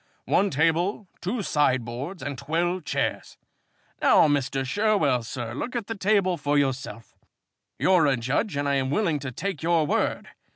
One table, two sideboards, and twelve chairs. Now, Mr. Sherwell, sir, look at the table for yourself. You're a judge and I am willing to take your word.